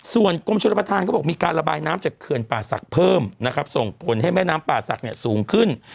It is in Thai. ส่วนกรมชุมประธานเขาบอกมีการระบายน้ำจากเกือนป่าศักดิ์เพิ่มส่งผลให้แม่น้ำป่าศักดิ์สูงขึ้น